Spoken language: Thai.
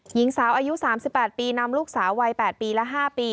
หญิงสาวอายุ๓๘ปีนำลูกสาววัย๘ปีและ๕ปี